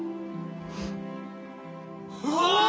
ああ！